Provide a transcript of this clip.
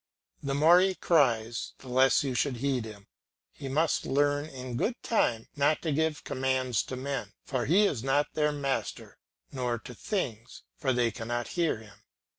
The more he cries the less you should heed him. He must learn in good time not to give commands to men, for he is not their master, nor to things, for they cannot hear him.